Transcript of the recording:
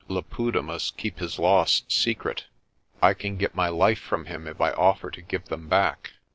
Laputa must keep his loss secret. I can get my life from him if I offer to give them back."